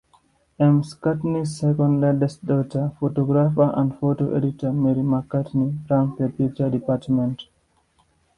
McCartney's second eldest daughter, photographer and photo editor Mary McCartney, runs the picture department.